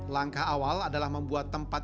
langkah awal adalah membuat tempat